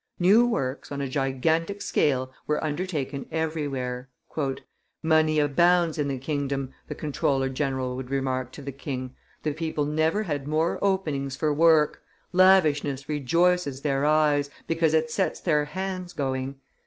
New works, on a gigantic scale, were undertaken everywhere. "Money abounds in the kingdom," the comptroller general would remark to the king; "the people never had more openings for work; lavishness rejoices their eyes, because it sets their hands going.